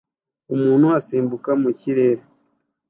Umuntu asimbuka mu kirere